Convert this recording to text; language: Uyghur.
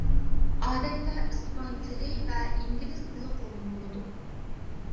ئادەتتە ئىسپان تىلى ۋە ئىنگلىز تىلى قوللىنىدۇ.